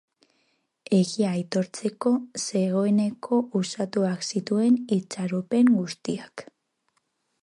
Egia aitortzeko, zegoeneko uxatuak zituen itxaropen guztiak.